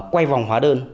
quay vòng hóa đơn